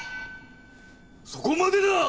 そこまでだ！